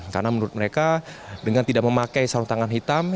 karena menurut mereka dengan tidak memakai sarung tangan hitam